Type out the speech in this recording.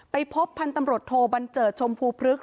ไปพบพันธุ์ตำรวจโทบัญเจิดชมพูพฤกษ